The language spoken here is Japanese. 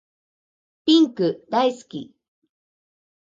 ピンク大好き